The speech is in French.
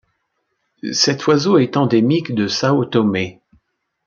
Cet oiseau est endémique de São Tomé.